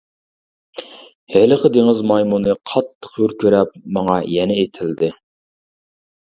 ھېلىقى دېڭىز مايمۇنى قاتتىق ھۆركىرەپ ماڭا يەنە ئېتىلدى.